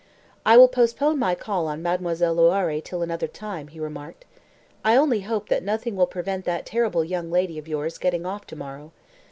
"I will postpone my call on Mademoiselle Loiré till another time," he remarked. "I only hope that nothing will prevent that terrible young lady of yours getting off to morrow."